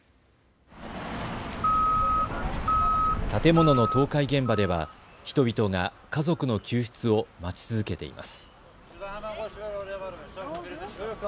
建物の倒壊現場では人々が家族の救出を待ち続けています。